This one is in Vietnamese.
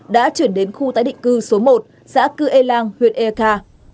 đã chuyển đến khu tái định cư số một xã cư e lang huyện eka